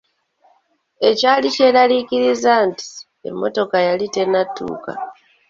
Ekyali kyeraliikiriza nti emmotoka yali tenatuuka.